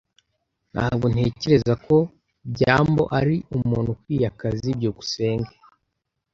Ntabwo ntekereza ko byambo ari umuntu ukwiye akazi. byukusenge